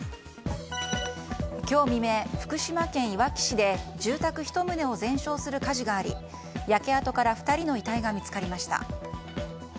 今日未明、福島県いわき市で住宅１棟を全焼する火事があり焼け跡から２人の遺体が見つかりました。